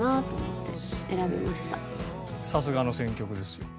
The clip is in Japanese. さすがの選曲ですよ。